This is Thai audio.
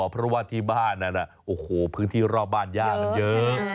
เพราะว่าที่บ้านนั้นพื้นที่รอบบ้านยากเยอะ